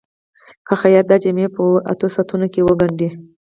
که خیاط دا جامې په اتو ساعتونو کې وګنډي.